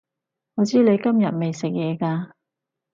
我知你今日未食嘢㗎